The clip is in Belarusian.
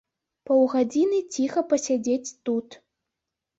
Паўгадзіны ціха пасядзець тут.